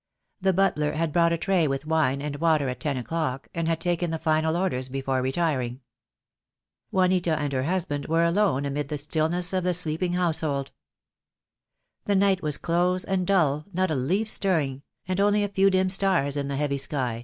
The butler had brought a tray with wine and water at ten o'clock, and had taken the final orders before retiring. Juanita and her husband were alone amid the stillness of the sleeping household. The night was close and dull, not a leaf stirring, and only a few dim stars in the heavy sky.